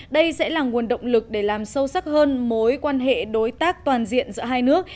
đây sẽ là nguồn động lực để làm sâu sắc hơn mối quan hệ đối tác toàn diện giữa hai nước